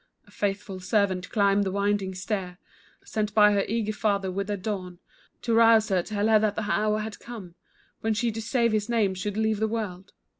A faithful servant climbed the winding stair, Sent by her eager father with the dawn To rouse her, tell her that the hour had come When she to save his name should leave the world.